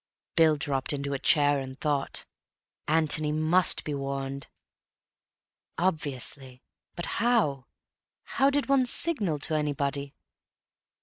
Bill dropped into a chair and thought. Antony must be warned. Obviously. But how? How did one signal to anybody?